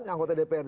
yang anggota dprd